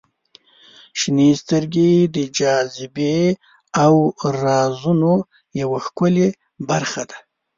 • شنې سترګې د جاذبې او رازونو یوه ښکلې برخه ده.